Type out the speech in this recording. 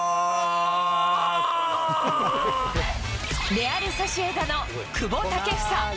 レアル・ソシエダの久保建英。